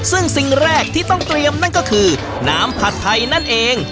ซึ่งสิ่งแรกที่ต้องเตรียมนั่นก็คือน้ำผัดไทยนั่นเอง